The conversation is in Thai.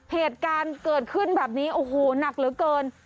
เหตุการณ์เกิดขึ้นแบบนี้โอ้โหหนักเหลือเกิน